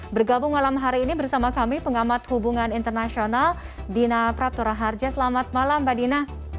bergabung malam hari ini bersama kami pengamat hubungan internasional dina praturaharja selamat malam mbak dina